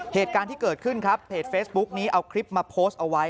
เหตุการณ์ที่เกิดขึ้นครับเพจเฟซบุ๊กนี้เอาคลิปมาโพสต์เอาไว้